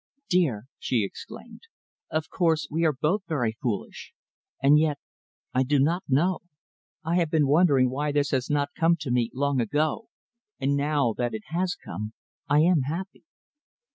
"Dear," she exclaimed, "of course we are both very foolish, and yet, I do not know. I have been wondering why this has not come to me long ago, and now that it has come I am happy."